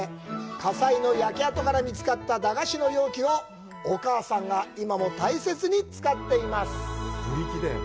火災の焼け跡から見つかった駄菓子の容器をお母さんが今も大切に使っています。